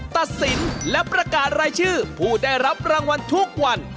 ตัดสินและประกาศรายชื่อผู้ได้รับรางวัลทุกวัน